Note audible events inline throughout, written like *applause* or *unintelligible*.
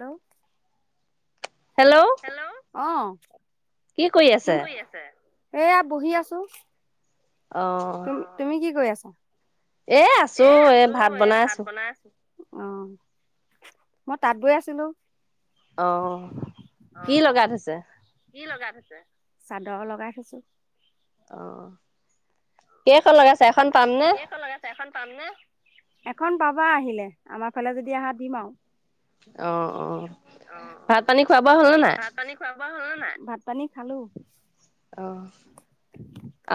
Hello hello hello অ, phone কৰি আছে, এয়া বহি আছো। অ। তুম তুমি কি কৰি আছা? এ আছো এ ভাত বনাই আছো। মাছ অ মই তাত বৈ আছিলো। অ কি লগাই থৈছে? কি লগাই থৈছে? চাদৰ লগাই থৈছো। অ কেখন লগাইছ কেখন লগাই ছে? এখন পাম নে এখন পাবা আহিলে আমাৰ ফালে যদি আহা দিম আও। অ অ অ অ ভাত পানী খোৱা বোৱা হ'লনে নাই? ভাত পানী খোৱা বোৱা হ'ল নে নাই? ভাত পানী খালো। অ।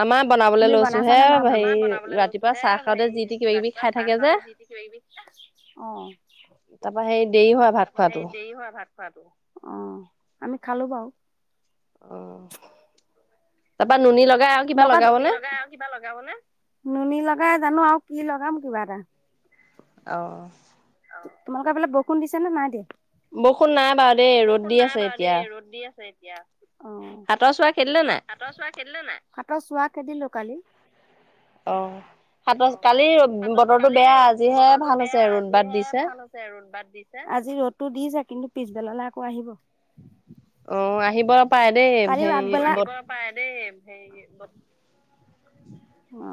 আমাৰ বনাবলৈ তুমি লৈছো বনাইছা হে নে নাই বনোৱা? হেৰি আমাৰ বনাবলৈ লৈছো ৰাতিপুৱা হে চাহ খাওঁতে হেৰি যি টি কিবা কিবি ৰাতিপুৱা খাই চাহ থাকে যে খাওঁতে যি টি কিবা কিবি অ। তা পা সেই দেৰি হয় ভাত তাৰপৰা সেই খোৱাটো। দেৰি হয় ভাত খোৱাটো। অ আমি খালো বাও। অ তাৰপা নুনী লগাই আও। তোমাক নুনী লগাই কিবা লগাব নে? নুনী লগাই জানো আৰু কি লগাম কিবা এটা। অ। অ তোমালোকৰ সেফালে বৰষুণ দিছে নে নাই দিয়া? বৰষুণ নাই বাৰু দেই ৰ'দ বৰষুণ দি নাই আছে বাৰু দেই এতিয়া। ৰদ দি আছে এ এতিয়া অ সাতৰ চোৱা খেদিলে নে নাই সাতৰ চোৱা খেদিলে নাই সাতৰ চোৱা খেদিলো কালি অ সাতৰ অ', কালি সাতৰ বতৰটো কালি বেয়া আজিহে বতৰটো ভাল বেয়া হৈছে ৰ'দ বাট আজিহে দিছে। ভাল হৈছে ৰ'দ বাদ দিছে আজি ৰ'দটো দিছে কিন্তু পিছবেলালৈ আকৌ আহিব অ আহিব পাৰে দেই কালি হেৰি আগবেলা আহিব বত পাৰে দেই হেৰি অ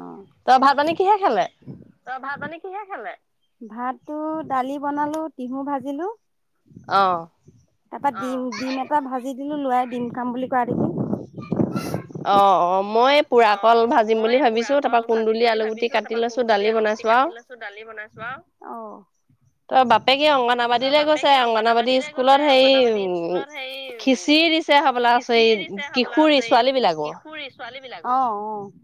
ভাত পানী কিহে খালে? ত ভাত পানী কিহে খালে ভাত টো দালি বনালো টিহু ভাজিলো। অ তাৰ পৰা ডিম ডিম এটা ভাজি দিলো লৰাই ডিম খাম বুলি কোৱা দেখি অ অ মই পোৰা কল অ', অ' ভাজিম মই বুলি পুৰা ভাবিছো কল তাৰপা ভাজিম কুন্দুলি বুলি আলুগুটি ভাবিছো কাটি তাৰপা লৈছো কুন্দুলি দালি আলুগুটি বনাইছো আও কাটি লৈছো দালি বনাইছোৱা আৰু, অ' তাই বাপেকে অংগনাবাদীলৈ গৈছে, বাপেকে অংগনাবাদী অংগনাবাদীলৈ গৈছে স্কুলত হেৰি উ অংগনাবাদী স্কুলত হেই খিচিৰি দি আছে হ'বলা আছে খিচিৰি দিছে হবলা কিশোৰী এই ছোৱালী বিলাকৰ। কিশোৰী ছোৱালী বিলাকৰ? অ' অ'।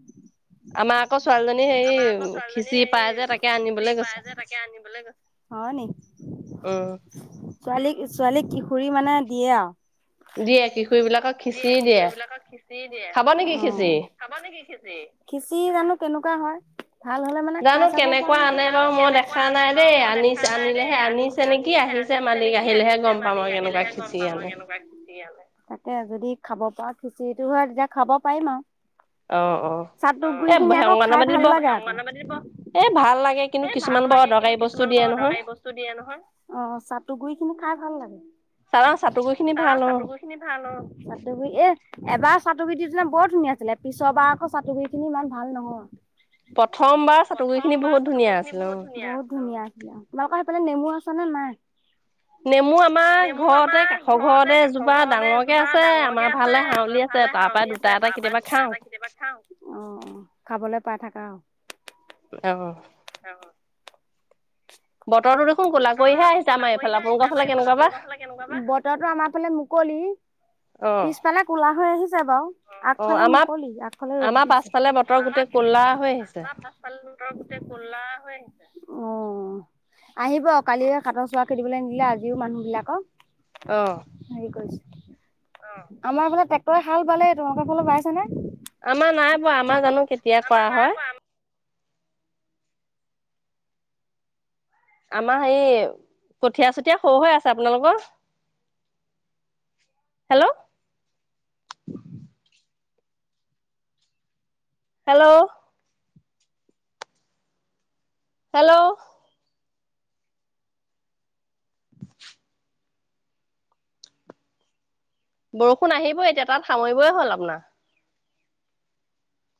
আমাৰ আকৌ ছোৱালীজনী হেৰি আকৌ ছোৱালীজনী খিঁচিৰি হেৰি পাই যে তাকে খিচিৰি আনিবলৈ পাই গৈছে। যে তাকে আনিবলৈ গৈছে? হয় নি? অ'। ছোৱালীক ছোৱালীক কিশোৰী মানে দিয়ে আৰু। দিয়ে কিশোৰীবিলাকক দিয়ে কিশোৰী বিলাকক খিঁচিৰি দিয়ে। নেকি উম। খিচিৰি? খাব নেকি খিচিৰি? খিচিৰি জানো কেনেকুৱা হয়। ভাল হ'লে মানে জানো খাই চাব পৰা কেনেকুৱা হ'ব। আনে জানো বাৰু মই কেনেকুৱা দেখা আনে নাই বাৰু দেই মই দেখা আনিছে নাই দেই। আনিলেহে আনিছে আনিছো নেকি আনিলেহে আহিছে আনিছে মালিক নেকি আহিলেহে আহিছে গম পাম মালিক আৰু কেনেকুৱা আহিলেহে গ'ম খিচিৰি পাম আৰু আনে কেনেকুৱা খিচিৰি আনে? তে যদি খাব পৰা খিচিৰি হয় তেতিয়া খাব পাৰিম অ অ আৰু। চাটুৰ এ গুৰি খিনি আকৌ খাই ভাল লাগে? এই ভাল লাগে। কিন্তু এই ভাল কিছুমান বৰ লাগে কিন্তু অদৰকাৰী বস্তু কিছুমান দিয়ে বৰ নহয় অদৰকাৰী বস্তু দিয়ে নহয়। অ' চাটু গুৰি খিনি খাই ভাল লাগে? চা চাটু গুৰি খিনি তাৰ ভাল অ'। চাটুগুৰি খিনি ভাল অ', চাটু গুৰি এ এবাৰ চাটুুগুৰি দিছিলে বৰ ধুনীয়া আছিলে, পিছৰ বাৰ আকৌ চাটুগুৰি খিনি ইমান ভাল নহয়। প্ৰথমবাৰ চাটুগুৰি খিনি প্ৰথমবাৰ বহুত চাটুগুৰি ধুনীয়া খিনি বহুত আছিলে অ'। বহুত ধুনীয়া আছিলে, তোমালোকৰ সেইফালে নেমু আছে নে নাই? নেমু আমাৰ নেমু ঘৰতে আমাৰ কাষৰ ঘৰতে কাষৰ এজোপা ঘৰতে ডাঙৰকে এজোপা আছে আমাৰ ডাঙৰকে ফালে আছে। হাউলি আমাৰ ভাল আছে ফালে তাৰ পৰাই হাউলি দুটা আছে, এটা তাৰ পৰা কেতিয়াবা দুটা খাওঁ এটা কেতিয়াবা খাওঁ, অ' অ' খাবলৈ পাই থাকা আৰু। অ'। অ'। বতৰটো দে বতৰটো দেখোন ক'লাকৰাহে আহিছে আমাৰ এইফালে, কেনেকুৱা বা আপোনালোকৰ ফালে কেনেকুৱা বা? বতৰতো আমাৰ ফালে মুকলি। অ পিছফালে ক'লা হৈ আহিছে বাৰু অ আগফালে আমাৰ মুকলি। আগফালে ৰ'দ আমাৰ দিছে। পাছফালে বতৰ গোটেই ক'লা হৈ আহিছে। পাছফালে তহতৰ গোটেই ক'লা হৈ আহিছে? অ'। আহিব কালিয়ে সাতৰ চুৱা খেদিবলৈ নিদিলে, আজিও মানুহ বিলাকক অ'। হেৰি কৰিছে, আমাৰ ফালে ট্ৰেক্টৰে হা'ল বালেই তোমোকৰ ফালত বাইছে নে? আমাৰ নাই বোৱা, আমাৰ জানো কেতিয়া আমাৰ কৰা নাই হয়? বোৱা আমাৰ হেৰি কঠীয়া চঠীয়া সৰু হৈ আছে, আপোনালোকৰ? হেল্ল'? হেল্ল'? হেল্ল'? *unintelligible* বৰষুণ আহিবই এতিয়া তাঁত সামৰিবই হ'ল আপোনাৰ।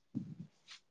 *unintelligible*